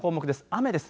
雨です。